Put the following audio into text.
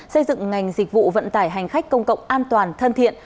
xây dựng ngành dịch vụ vận tải hành khách công cộng an toàn thân thiện